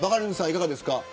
いかがですか。